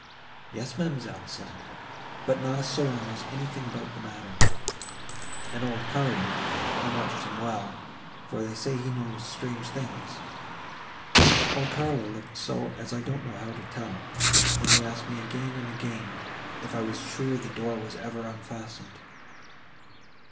"Yes, ma'amselle," said Annette, "but not a soul knows anything about the matter: and old Carlo—I watched him well, for they say he knows strange things—old Carlo looked so as I don't know how to tell, and he asked me again and again, if I was sure the door was ever unfastened.